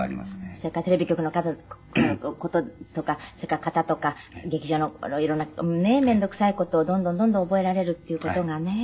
それからテレビ局の事とかそれから方とか劇場の色んなねえめんどくさい事をどんどんどんどん覚えられるっていう事がね。